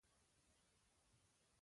احمد دوکان ته ځي.